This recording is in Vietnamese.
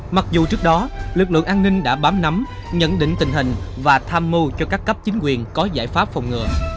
mặc dù trước đó lực lượng an ninh đã bám nắm nhận định tình hình và tham mưu cho các cấp chính quyền có giải pháp phòng ngừa